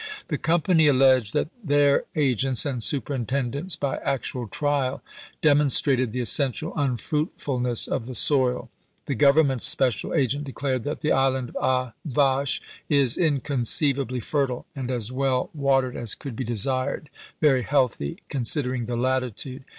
The company alleged that their agents and superinten dents, by actual trial, demonstrated the essential unf ruitf ulness of the soil ; the Grovernment's special agent declared that " The Island of A' Vache is inconceivably fertile, and as well watered as could be desired — very healthy, considering the latitude